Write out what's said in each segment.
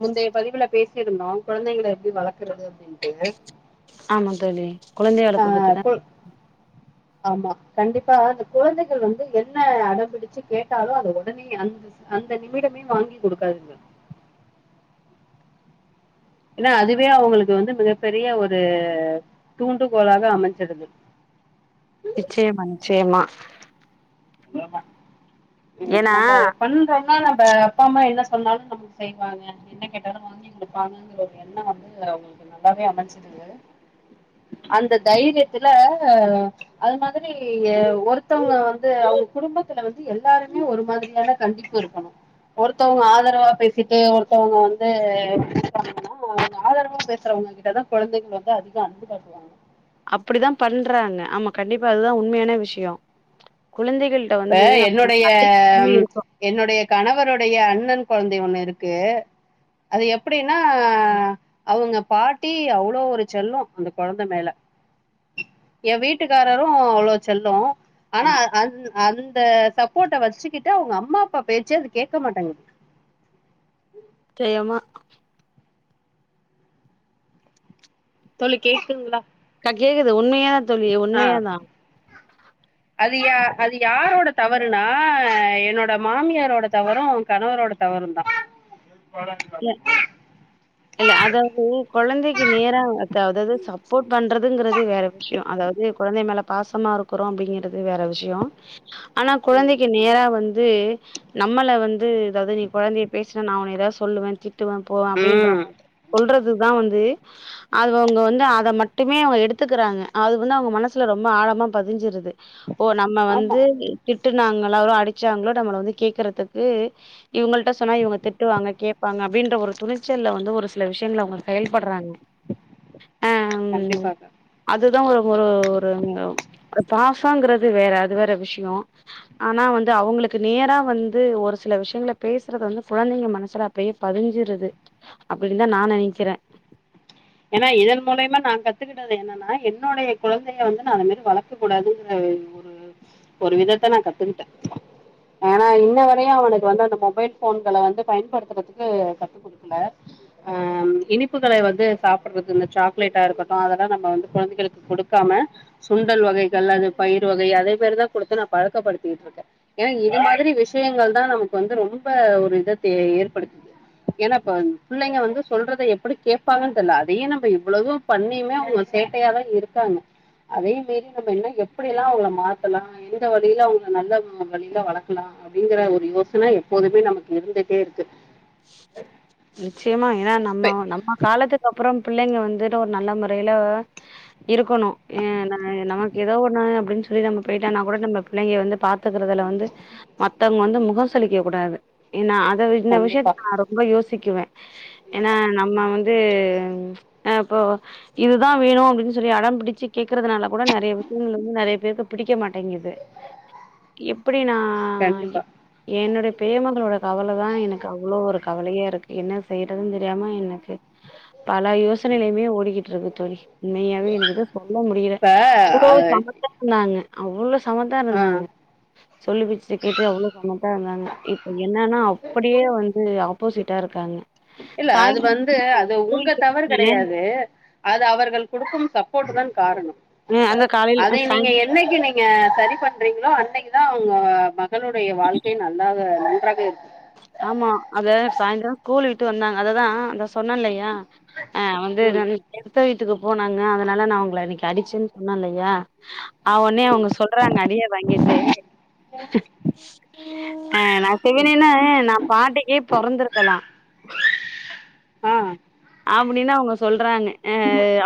முந்தைய பதிவுல பேஸ் [unintelligible] கொழந்தைள எப்டி வளக்குறது அப்டின்ட்டு ஆமா தோழி குழந்தை வளப்ப அ பத்திதா கு ஆமா கண்டிப்பா அந்த குழந்தைகள் வந்து என்ன அடம்பிடிச்சு கேட்டாலு அத உடனே அந்த அந்த நிமிடமே வாங்கி குடுக்காதீங்க இல்ல அதுவே அவங்களுக்கு வந்து மிகப்பெரிய ஒரு தூண்டுகோலாக அமைஞ்சுடுது நிச்சயமா நிச்சயமா ஏமா ம் ஏன்னா நம்ம பண்றோனா நம்ப அப்பா அம்மா என்ன சொ வேண்ணாலு நமக்கு செய்வாங்க என்ன கேட்டாலு வாங்கி குடுப்பாங்கங்கற ஒரு எண்ணோ வந்து அவங்களுக்கு நல்லாவே அமைஞ்சிடுது அந்த தைரியத்துல அது மாதிரி ஒருத்தவங்க அது அவங்க குடும்பத்துல வந்து எல்லாருமே ஒரு மாதிரியான கண்டிப்பு இருக்கணு ஒருத்தவங்க ஆதரவா பேசிட்டு ஒருத்தவங்க வந்து இது பண்ணா ஆதரவா பேசுறவங்ககிட்டதா குழந்தைகள் வந்து அதிக அன்பு காட்டுவாங்க அப்படிதா பண்றாங்க ஆமா கண்டிப்பா அதுதா உண்மையான விஷயோ குழந்தைகள்ட்ட இப்ப வந்து நம்ம என்னுடைய அதிக இருக்கு. என்னுடைய கணவருடைய அண்ணன் கொழந்தை ஒண்ணு இருக்கு அது எப்படின்னா அவங்க பாட்டி அவ்ளோ ஒரு செல்லோ அந்த கொழந்த மேல ஏன் வீட்டுக்காரரும் அவ்ளோ செல்லோ ஆனா அத் அந்த சப்போர்ட்ட வச்சுக்கிட்டு அவங்க அம்மா அப்பா பேச்சு அது கேக்க மாட்டேங்கிது தேயாம தோழி கேக்குதுங்களா க கேக்குது [unintelligible] உண்மையா தோழி ஆ உண்மையாதா அது யா அது யாரோட தவறுனா என்னோட மாமியாரோட தவறும் கணவரோட தவறும்தா இல்ல இல்ல அதாவது கொழந்தைக்கி நேரா அத அதாவது சப்போர்ட் பண்றதுங்குறது வேற விஷயோ அதாவது குழந்தை மேல பாசமா இருக்குறோ அப்டிங்குறது அது வேற விஷயோ ஆனா குழந்தைக்கு நேரா வந் இது நம்மள வந்து அதாவது நீ கொழந்தைய பேசினா நா உன்னைய ஏதாவது சொல் சொல்லுவே திட் திட்டுவ போவே அப்டின்ற ம் மாதிரி சொல்றதுதா வந்து அவங்க வந்து அத மட்டுமே அவங்க எடுத்துக்கிறாங்க அது வந்து அவங்க மனசுல ரொம்ப ஆழமா பதிஞ்சிருது ஓ நம்ம ஆமா வந்து திட் திட்டுனாங்களோ அல்லது அடிச்சாங்களோ நம்மள வந்து கேக்குறதுக்கு இவங்கள்ட்ட சொன்னா இவங்க திட்டுவாங்க கேப் அவங்க அப்படின்றெ ஒரு துணிச்சல்ல வந்து ஒரு சில விஷயங்கள்ல அவங்க செயல்படுறாங்க கண்டிப்பாக இதா ஒரு ஒரு ஒரு பாசங்குறது வேற அது வேற விஷயோ ஆனா வந்து அவங்களுக்கு நேரா வந்து ஒரு சில விஷயங்கள பேசுறது வந்து குழந்தைங்க மனசுல அப் அப்டியே பதிஞ்சிடுது அப்டின்னுதா நா நெனைக்கிறே ஏன்னா இதன் மூலமா நா கத்துக்கிட்டது என்னன்னா என்னுடைய குழந்தைய வந்து நா அது மாரி வளக்க கூடாதுன்ற ஒரு ஒரு விதத்த நான் கத்துக்கிட்டே ஆனா இன்ன வரையு அவனுக்கு வந்து அந்த மொபைல் ஃபோன்கள வந்து பயன்படுத்துறதுக்கு கத்து குடுக்கல அஹ் இனிப்புகள வந்து சாப்பிடுறதுக்கு இந்த சாக்லேட்டா இருக்கட்டும் அதெல்லாம் நம்ம வந்து குழந்தைகளுக்கு குடுக்காம சுண்டல் வகைகள் அது பயிர் வகை அதே மாரி தான் குடுத்து நான் பழக்கப்படுத்திட்டு இருக்கேன் ஏன்னா இது மாரி விஷயங்கள் தான் நமக்கு வந்து ரொம்ப ஒரு இத தே ஏற்படுத்துது ஏன்னா இப்ப பிள்ளைங்க வந்து சொல்றத எப்டி கேடப்பாங்கன்னு [unintelligible] அதையும் நம்ப இவ்வளவும் பண்ணியுமே அவங்க சேட்டையாதான் இருக்காங்க அதே மீரீ நம்ம என்ன எப்படில்லாம் அவங்கள மாத்தலாம் எந்த வழியில அவங்க நல்ல வழியில வளர்க்கலாம் அப்படிங்கிற ஒரு யோசனை எப்போதுமே நமக்கு இருந்துட்டே இருக்கு நிச்சயமா ஏன்னா நம்ம நம்ம காலத்துக்கு அப்புறம் பிள்ளைங்க வந்துட்டு ஒரு நல்ல முறையில இருக்கணும் நமக்கு ஏதோ ஒன்னு அப்படின்னு சொல்லி நம்ம போயிட்டானா கூட நம்ம பிள்ளைங்க வந்து பாத்துக்கறிறதுல வந்து மத்தவங்க வந்து முகம்சுளிக்க கூடாது ஏன்னா து இந்த கண்டிப்பா விஷயத்துக் ப்ப யோசிக்குவேன் ஏன்னா நம்ம ம் வந்து ம் ஹ இப்போ இதுதான் வேணும் அப்டின்னு சொல்லி அடம் பிடிச்சி கேக்குறதுனால கூட நறைய விஷயங்கள்ல வந்து நறைய பேருக்கு பிடிக்க மாட் ங்கிது எப்டி நா கண்டிப்பா என் என்னுட பேமென்ட்டோட கவல தான் எனக்கு அவ அவ்ளோ ஒரு கவலையா இருக்கு என்ன செய்யறதுன்னு தெரியாம எனக்கு பல யோசனைலையுமே ஓடிக்கிட்டுருக்கு தோழி உண்மையாவே எனக்குதான் சொல்ல முடில இப்ப அவ்ளோ அ சமத்தா இருந்தாங்க அவ்வளஸ் சமத்தா ஆ இருந்தாங்க சொல்லிப்பேச்சி கேட்டு அவ்வளவு சமத்தான் இருந்தாங்க இப்ப என்னன்னா அப்படியே வந்து ஆப்போசிட்டாருக்காங்க இல்ல அது வந்து அது உங்க விட்டு தவறு வந்தாங்க. கெடையாது அது அவர்கள் குடுக்கும் ச போட்டுதான் காரணம் அஹ் அந்த காலையில அதை சாய் நீங்க என்னைக்கு நீங்க சரி பண்றீங்க [unintelligible] அன்னைக்குதா அவங்க [unintelligible] மக்களுடைய வாழ்க்கை நல்லாக [unintelligible] [unintelligible] ஆமா அத சாய்ந்தரம் ஸ்கூல் விட்டு வந்தாங்க அததா அந்த சொன்னல்லயா ஆஹ் வந்து ம் [unintelligible] அத்த வீட்டுக்கு போனாங்க அதனால நான் உங்களை அன்னைக்கு அடிச்சேன்னு சொன்னேல்லையா அவன்னே அவங்க சொல்றாங்க அடியே வாங்கிட்டு ஆஹ் நான் சிவனனேனு பாண்டிக்கே பொறந்திருக்கலா ஆஹ் அப்டினு அவங்க சொல்றாங்க ஆ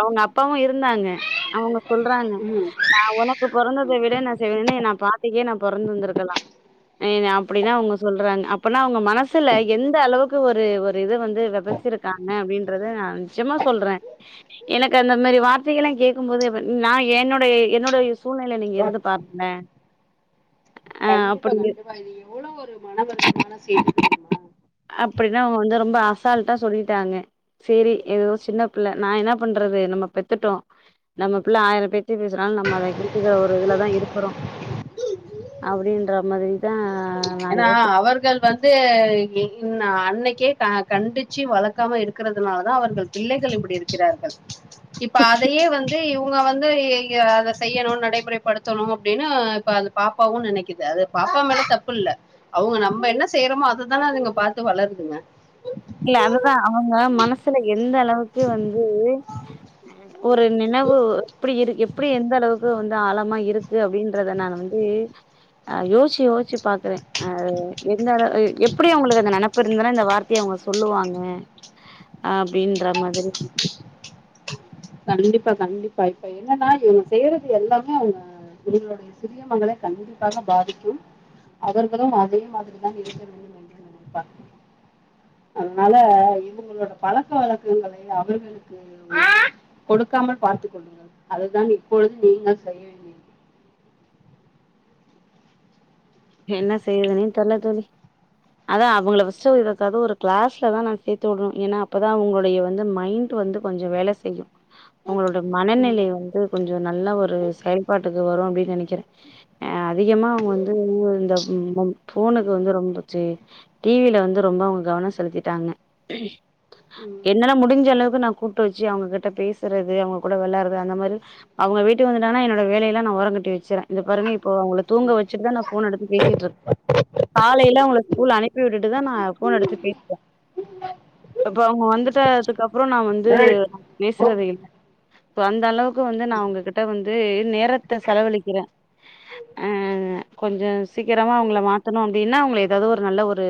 அவங்க அப்பாவு இருக் இருந்தாங்க அவங்க சொல்றாங்க ம் நா ஒனக்கு பொறந்தத விட நா செவனேனு நா பாட்டிக்கே நான் பொறந்துந்திருக்கலா என்னை அப்டிதா அவங்க சொல்றாங்க அப்பனா அவங்க மனசுல எந்த அளவுக்கு ஒரு ஒரு இது வந்து த வெதைச்சிருக்காங்க அப்டின்ட்டு இது நா நெஜமா சொல்றே எனக்கு அந்த மாரி வார்த்தைகள்லா கேக்கும்போது நா என்னுடய என்னுடய யூஸ் சூழ்நில நீங்க இருந்து பாருங்களே கண்டிப்பா கண்டிப்பா இது எவ்ளோ ஒரு மனவருத் நா வேண்ணா சேத்திக்கிடட்டுமா அப்டின்னு அவங்க வந்து ரொம்ப அசால்ட்டா சொல்லிட்டாங்க சேரி ஏதோ சின்ன பிள்ள நா என்ன பண்றது நம்ம பெத்துட்டோ நம்ம பிள்ள ஆயிர பேச்சி பேசினாலு நம்ம அத [unintelligible] ஒரு இதுலதா இருக்குறோ அப்டின்ற மாதிரிதா நா ஏன்னா யோ அவர்கள் வந்து இங்கி ம்ம் அன்னைக்கே கண்டிச்சு வளக்காம இருக்கிறதுனால தான் அவர்கள் பிள்ளைகள் இப்படி இருக்கிறார்கள் இப்ப அதையே வந்து இவங்க வந்து சேரி இங்க அத செய்யணு நடைமுறைப்படுத்தணு அப்டினு இப்ப அந்த பாப்பாவு நெனைக்குது அது பாப்பா மேல தப்பு தப்புல்ல அவங்க நம்ம என்ன செய்யறோமோ அதுதானே அதுங்க பாத்து வளருதுங்க இல்ல அதுதா அவங்க மனசுல எந்த அளவுக்கு வந்து ஒரு இப்ப வந்து ஆழமா இருக்கு கு அப்டின்றத நால வந்து ஆ யோசிச்சு யோசிச்சு பாக்குறே அ என்னடா எப் எப்டி அவங்களுக்கு அந்த நெனப்பு இருந்தா இந்த வார்த்தய அவங்க சொல்லுவாங்க அப்டின்ற மாதிரி கண்டிப்பா கண்டிப்பா இப்ப என்னன்னா இவங்க செய்றது எல்லாமே அவங்க உங்களுடைய சிறிய மகள கண்டிப்பாக பாதிக்கும் அவர்களு அதே மாதிரிதா இருக்க வேண்டும் என்று நினைப்பார்கள் அதனால இவங்களோட பழக்க வழக்கங்களை அவர்களுக்கு கொடுக்காமல் பார்த்துக் கொள்ளுங்கள் அதுதான் இப்பொழுது நீங்க செய்ய வேண்டியது என்ன செய்ரதுனே தெரில தோழி அதா அவங்கள ஃபர்ஸ்ட்டு ஒரு ஏதாவது ஒரு கிளாஸ்ல தா நான் சேர்த்து விடணும் ஏன்னா அப்பதான் அவங்களுடைய வந்து மைண்ட் வந்து கொஞ்சம் வேல செய்யும் அவர்களுடய மனநிலை ம் வந்து கொஞ்சம் நல்லா ஒரு செயல்பாட்டுக்கு வரும் அப்படினு நெனக்கிறே அ அதிகமா அவங்க வந்து இந்த இந்த போனுக்கு வந்து ரொம்ப சரி டிவில வந்து ரொம்ப அவங்க கவனம் செலுத்திட்டாங்க ம் என்னால முடிஞ்ச அளவுக்கு நா கூப்ட்டு வச்சு அவங்ககிட்ட பேசுறது அவங்ககூட வெளையாடுறது அந்த மாரி அவங்க வீட்டுக்கு வந்துட்டாங்கனா என்னோட வேலைய எல்லா நா ஓரங்கட்டி வெச்சரே இந்த பாருங்க இப்ப அவங்கள தூங்க ம் வச்சுட்டுதா நா ஃபோன் எடுப் பேசிட்ருப் காலைல அவங்கள ஸ்கூல் அனுப்பிவிட்டுட்டுதா நா ஃபோன் எடுத்து பேசுவே இப்ப அவங்க வந்துட்டு அதுக்கு அப்றோ நா வந்து பேசுறது இல்ல ப்போ அந்த அளவுக் இப்ப வந்து நான் உங்ககிட்ட வந்து நேரத்த செலவழிக்கிறே ஆ கொஞ்ச சீக்கிரமா அவங்கள மாத்தணு அப்டின்னா அவங்கள ஏதாவது ஒரு நல்ல ஒரு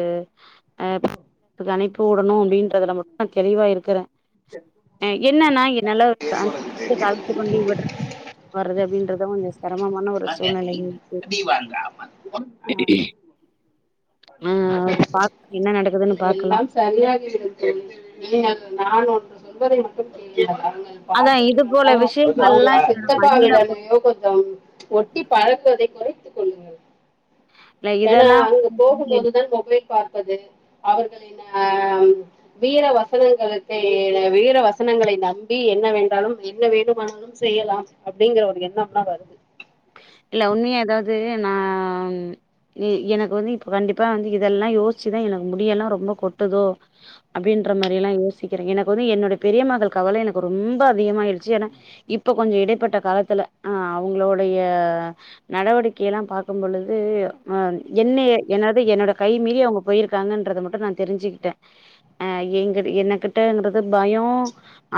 ஆ [unintelligible] அனுப்பி உடணு ப்படின்றதுல மட்டு தெளிவா இருக்கிறே ஆ என்னன்னா என்னால [unintelligible] வரது அப்டின்றது [unintelligible] சரமமான ஒரு சூழ்நிலை இன்னைக்கு ம் ஆஹ் ஆ பாக் என்ன நடக்குதுன்னு [unintelligible] பாக்கலா எல்லாம் சரியாகி விடும் தோழி [unintelligible] [inaudible] அவ அதா இது போல பாட்டியிடனோ அவங்க விஷயங்கள்லா என்னோட மைண்ட்ல சித்தப்பாவிடனையோ கொஞ்சம் ஒட்டி பழகுவதை குறைத்துக் கொள்ளுங்கள் போட்ல ஏன்னா இதெல்லா அங்க போகும்போது தான் மொபைல் பார்ப்பது அவர்களின் அஹ் வீர வசனங்களுக்கு வீர வசனங்களை நம்பி என்ன வேன்றாலும் என்ன வேண்டுமானாலும் செய்யலாம் அப்படிங்கிற ஒரு எண்ணம்லா வருது இல்ல உண்மையா அதாவது நான் எ எனக்கு வந்து இப்ப கண்டிப்பா வந்து இதெல்லாம் யோசிச்சுதான் எனக்கு முடியெல்லாம் ரொம்ப கொட்டுதோ அப்டின்ற மாரி எல்லாம் யோசிக்கிறேன் எனக்கு வந்து என்னோட பெரிய மகள் கவலை எனக்கு ரொம்ப அதிகமாயிடுச்சு ஏன்னா இப்ப கொஞ்சம் இடைப்பட்ட காலத்துல ஆஹ் அவங்களுடைய ஆ நடவடிக்கையெல்லாம் பாக்கும் பொழுது ஹ என்னய என்னது என்னோட கை மீறி அவங்க போயிருக்காங்கன்றத மட்டும் நான் தெரிஞ்சிக்கிட்டேன் அ எங்க என்னகிட்டங்கடது பயோ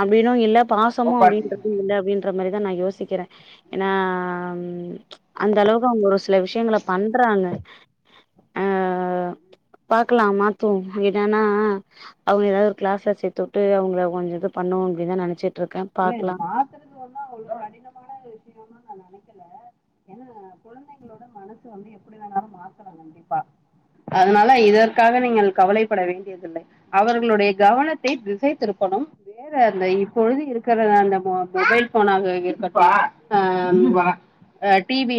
அப்டின்னு இல்ல பாசமும் அப்டின்றது இல்ல அப்டி [unintelligible] மாரிதா நா யோசிக்கிறே ஏன்னா ம் அந்த அளவுக்கு அவங்க ஒரு சில விஷயங்கள பண்றாங்க அஹ் பாக்கலாம் மாத்துவோம் என்னன்னா அவங்க ஏதாவது கிளாஸ்ல சேர்த்துட்டு அவங்கள கொஞ்சம் இது பண்ணுவோ அப்டின்னுதான் நனச்சிட் இல்ல இதை மாத்துறது ஒன்னு அவ்வளவு கடினமான விஷயம்மா நான் நனைக் ஏன்னா குழந்தைகளோட மனசு வந்து எப்டி வேணாலும் மாத்தலாம் கண்டிப்பா அதனால இதற்காக நீங்கள் கவலைப்பட வேண்டியதில்லை அவர்களுடைய கவனத்தை திசைத்திருப்பணும் வேற அந்த இப்பொழுது இருக்க அந்த மொபைல் போனாக இருக்கட்டும் டிவி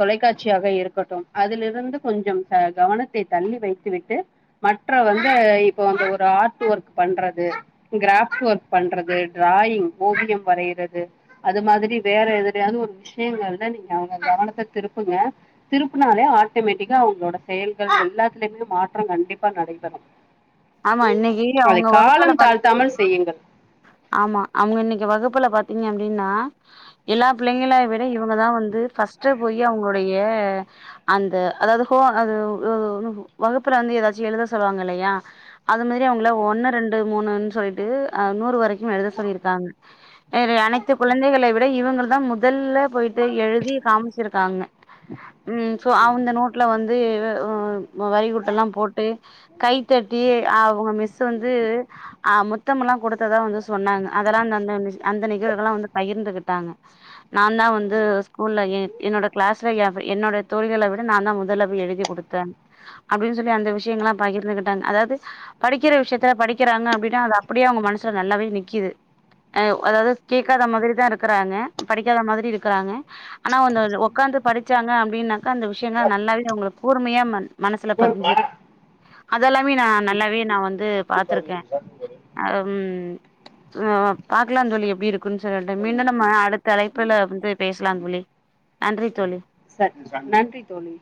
தொலைக்காட்சியாக இருக்கட்டும் அதுலிருந்து கொஞ்சம் கவனத்தை தள்ளி வைத்து விட்டு மற்ற வந்து இப்போ ஒரு ஆர்ட் ஒர்க் பண்றது கிராஃப்ட் ஒர்க் பண்றது டிராயிங் ஓவியம் வரைறது அது மாதிரி வேற எதுலயாவது ஒரு விஷயங்கள் தான் நீங்க அவங்க கவனத்தை திருப்புங்க திருப்புனாலே ஆட்டோமேட்டிக்கா அவங்களோட செயல்கள் எல்லாத்துலயுமே மாற்றம் கண்டிப்பா நடைபெறும் ஆமா இன்னைக்கி அதை அவங்க வகுப்புல காலம் தாழ்த்தாமல் பாத்திங்கனா செய்யுங்கள் ஆமா அவங்க இன்னைக்கு வகுப்புல பாத்தீங்க அப்படின்னா எல்லா பிள்ளைங்கள விட இவங்கதான் வந்து ஃபர்ஸ்ட்போய் அவங்களுடைய அந்த அதாவது [unintelligible] வகுப்புல வந்து ஏதாச்சும் எழுத சொல்லுவாங்க இல்லையா அது மாரி அவங்கள ஒன்னு ரெண்டு மூணுன் சொல்ட்டு அ நூறு வரை ம் எழுத சொல்லியிருக்காங்க அது அனைத்துக்குழந்தைகளை விட இவங்களு நம் முதல்ல போய்ட்டு எழுதி காம்ச்சிருக்காங்க நி சோ அவுந்த நோட்ல வந்து வ்வ் வ்வரிக் கூட்டுலா போட்டு [unintelligible] அவுங் மிஸ்சு வந்து அ முத் த்தம்லா கொடுத்ததா வந்து சொன்னாங்க அதலா [unintelligible] அந்த நிகழ்வுகளா வந்து பகிர்ந்துகிட்டாங்க நான்தா வந்து ஸ்கூல்லயே என்னோட கிளாஸ்ல என்ஃப் என்னோட தோழ்களவிட நாதா முதல்ல போய் எழுதி குடுத்தன் அப்டின்னு சொல்லி அந்த விஷயங்கல்லாம் பகிர்ந்துகிட் [unintelligible] அதாது படிக்கிற விசயத்த படிக்கிறாங்க அப்டின்னா அத அப்படியே அவங்க மனசுல நல்லாவே நிக்கிது ஹ அதாவ்து கேட்காத மாதிரிதான் இருக்கு ராங்க படிக்காத மாதிரி இருக்குறாங்க ஆனா வந்து உக்காந்து படிச்சாங்க அப்டின்னா க்கா அந்த விஷயங்க நல்லாவே அவங்களுக் கூர்மையா மன் மனசுல பதிஞ்சி இதெல்லாமே நா ம் நல்லாவே நா வந்து பாத்துருக்கே அம் ம் ஒ பாக்கலாம் தோழி எப்டி இருக் [unintelligible] மீண்டும் நம்ம அடுத்த அழைப்புல வந்து பேசலாம் தோழி நன்றி தோழி சரி நன்றி தோழி